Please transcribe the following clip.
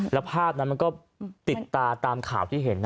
แล้วภาพนั้นมันก็ติดตาตามข่าวที่เห็น